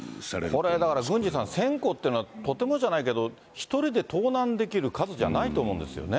これだから、郡司さん、１０００個っていうのは、とてもじゃないけど、１人で盗難できる数じゃないと思うんですよね。